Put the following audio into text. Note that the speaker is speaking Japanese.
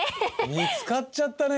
見つかっちゃったね！